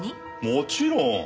もちろん。